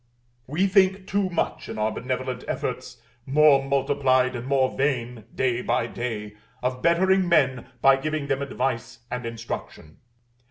We think too much in our benevolent efforts, more multiplied and more vain day by day, of bettering men by giving them advice and instruction.